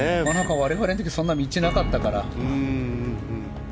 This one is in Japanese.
我々の時はそんな道はなかったから。